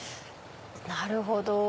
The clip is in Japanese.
なるほど。